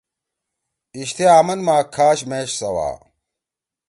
ایِشتے آمن ما کھاش میش سوا!